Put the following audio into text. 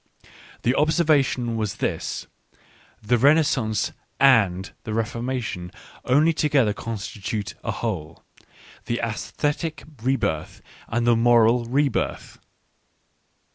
The observation was this :" The Renaissance and the Reformation only together constitute a whole — the aesthetic re birth, and the moral rebirth."